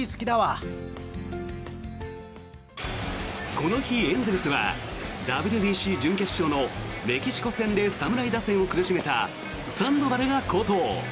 この日、エンゼルスはＷＢＣ準決勝のメキシコ戦で侍打線を苦しめたサンドバルが好投。